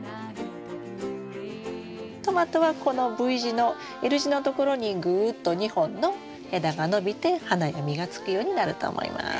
トマトはこのＶ字のＬ字のところにぐっと２本の枝が伸びて花や実がつくようになると思います。